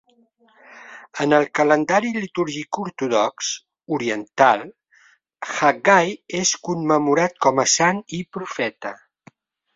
En el calendari litúrgic ortodox oriental, Haggai és commemorat com a sant i profeta.